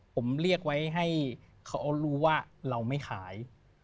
ผมเรียกไว้ให้เขารู้ว่าเราไม่ขาย